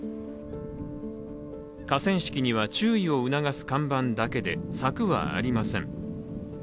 河川敷には注意を促す看板だけで柵ははありません。